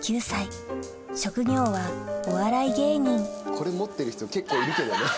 これ持ってる人結構いるけどね。